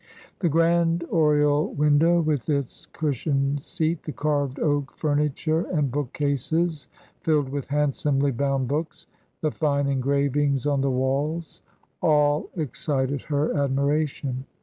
The grand oriel window, with its cushioned seat; the carved oak furniture, and bookcases filled with handsomely bound books; the fine engravings on the walls; all excited her admiration.